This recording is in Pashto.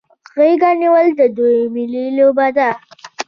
غیږ نیول د دوی ملي لوبه ده.